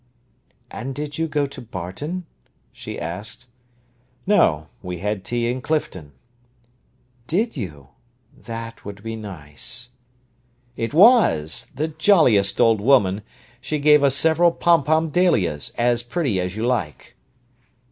"And did you go to Barton?" she asked. "No; we had tea in Clifton." "Did you! That would be nice." "It was! The jolliest old woman! She gave us several pom pom dahlias, as pretty as you like."